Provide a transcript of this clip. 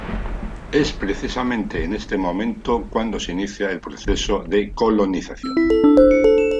Es precisamente en este momento cuando se inicia el proceso de colonización.